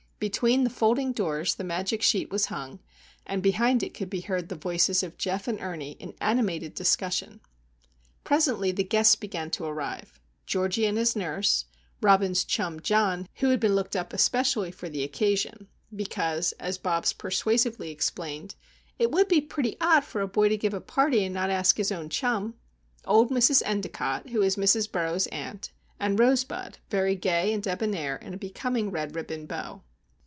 Between the folding doors the magic sheet was hung, and behind it could be heard the voices of Geof and Ernie in animated discussion. Presently the guests began to arrive,—Georgie and his nurse, Robin's "chum" John, who had been looked up especially for the occasion, because, as Bobs persuasively explained, "it would be pretty odd for a boy to give a party and not ask his own chum"; old Mrs. Endicott, who is Mrs. Burroughs' aunt, and Rosebud, very gay and debonair in a becoming red ribbon bow.